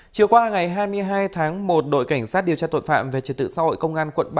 chiều qua ngày hai mươi hai tháng một đội cảnh sát điều tra tội phạm về trật tự xã hội công an quận ba